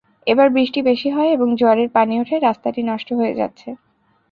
এবার বৃষ্টি বেশি হওয়ায় এবং জোয়ারের পানি ওঠায় রাস্তাটি নষ্ট হয়ে যাচ্ছে।